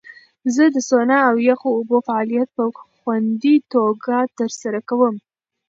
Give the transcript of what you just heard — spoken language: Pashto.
زه د سونا او یخو اوبو فعالیت په خوندي توګه ترسره کوم.